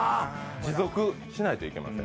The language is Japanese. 持続しないといけません